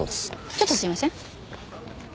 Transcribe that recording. ちょっとすいません。